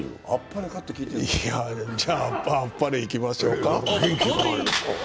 じゃあ、あっぱれいきましょうか。